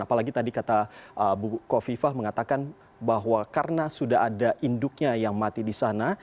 apalagi tadi kata buko viva mengatakan bahwa karena sudah ada induknya yang mati di sana